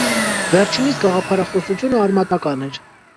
Վերջինիս գաղափարախոսությունը արմատական էր։